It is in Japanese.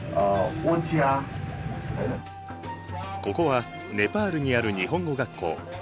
ここはネパールにある日本語学校。